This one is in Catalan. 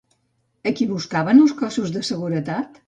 A qui buscaven els cossos de seguretat?